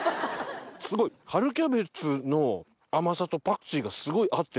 すごい春キャベツの甘さとパクチーがすごい合ってる。